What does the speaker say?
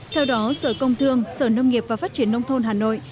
theo đó sở công thương sở nông nghiệp và phát triển nông thôn hà nội